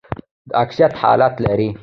د اکتیت حالت لري.